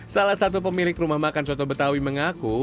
salah satu pemilik rumah makan soto betawi mengaku